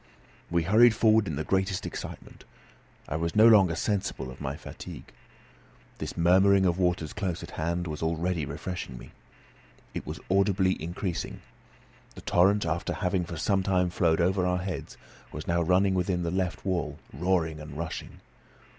We hurried forward in the greatest excitement. I was no longer sensible of my fatigue. This murmuring of waters close at hand was already refreshing me. It was audibly increasing. The torrent, after having for some time flowed over our heads, was now running within the left wall, roaring and rushing.